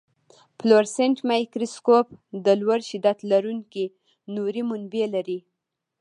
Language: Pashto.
فلورسنټ مایکروسکوپ د لوړ شدت لرونکي نوري منبع لري.